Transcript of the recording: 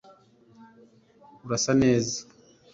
urasa neza